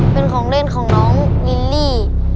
เป็นของเล่นของน้องลิลลี่